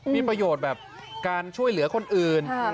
มีประโยชน์แบบการช่วยเหลือคนอื่น